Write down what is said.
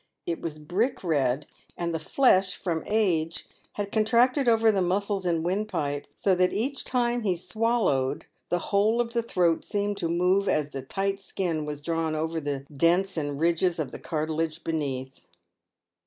It was brick red, and the flesh, from age, had con tracted over the muscles and windpipe, so that each time he swallowed, the whole of the throat seemed to move as the tight skin was drawn over the dents and ridges of the cartilage beneath.